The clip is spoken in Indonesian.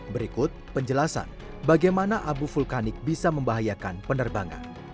berikut penjelasan bagaimana abu vulkanik bisa membahayakan penerbangan